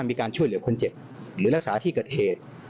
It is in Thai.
มีการช่วยเหลือคนเจ็บหรือรักษาที่เกิดเหตุ